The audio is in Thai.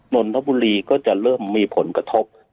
นนทบุรีก็จะเริ่มมีผลกระทบ